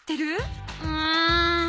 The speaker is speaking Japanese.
うん。